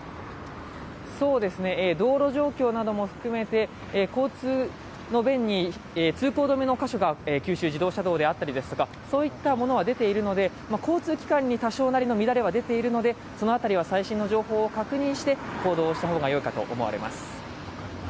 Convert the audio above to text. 道路状況なども含めて交通の便に通行止めの箇所が九州自動車道であったりですとか、そういったものは出ているので、交通機関に多少なりの乱れは出ているので、その辺りは最新の情報を確認して行動した方がよいかと思われます。